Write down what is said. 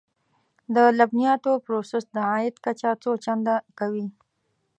د لبنیاتو پروسس د عاید کچه څو چنده کوي.